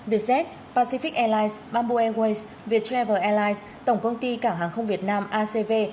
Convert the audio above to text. vietjet pacific airlines bamboo airways viettravel airlines tổng công ty cảng hàng không việt nam acv